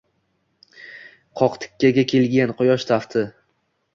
qoq tikkaga kelgan quyosh tafti.